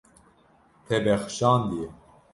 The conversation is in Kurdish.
Te bexşandiye.